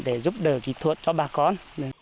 để giúp đỡ kỹ thuật cho bà con